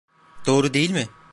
Doğru değil mi?